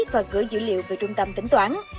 và gửi dữ liệu về trung tâm tính toán